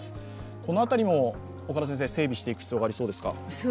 この辺りも整備していく必要がありそうですか？